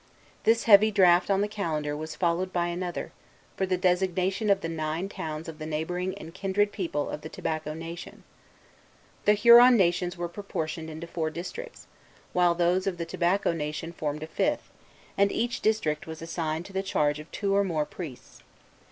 This heavy draft on the calendar was followed by another, for the designation of the nine towns of the neighboring and kindred people of the Tobacco Nation. The Huron towns were portioned into four districts, while those of the Tobacco Nation formed a fifth, and each district was assigned to the charge of two or more priests.